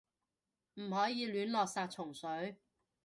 唔可以亂落殺蟲水